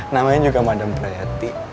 namanya juga madam pretty